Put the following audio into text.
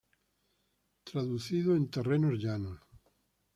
Traducido en terrenos llanos.